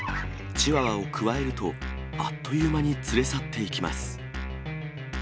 チワワをくわえると、あっという間に連れ去っていきます。